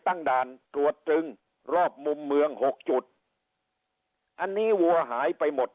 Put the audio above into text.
ด่านตรวจตรึงรอบมุมเมืองหกจุดอันนี้วัวหายไปหมด